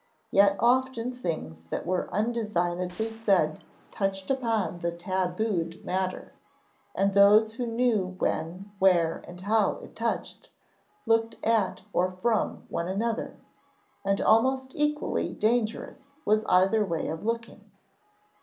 Yet often things that were undesignedly said touched upon the taboo'd matter; and those who knew when, where, and how it touched, looked at or from one another, and almost equally dangerous was either way of looking.